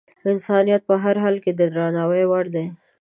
انسان په هر حال کې د درناوي وړ دی.